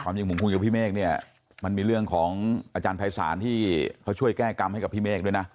จริงผมคุยกับพี่เมฆเนี่ยมันมีเรื่องของอาจารย์ภัยศาลที่เขาช่วยแก้กรรมให้กับพี่เมฆด้วยนะ